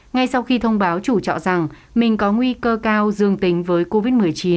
ngay sau khi thông báo chủ trọ rằng mình có nguy cơ cao dương tính với covid một mươi chín